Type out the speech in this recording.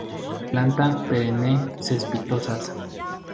Planta perenne cespitosas.